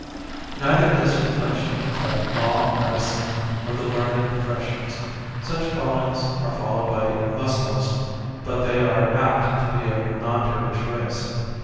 Neither does he much affect law, medicine or the learned professions. Such callings are followed by Moslims but they are apt to be of non Turkish race.